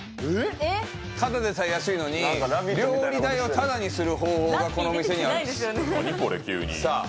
ただでさえ安いのに料理代をタダにする方法がこの店にはあるんですさあ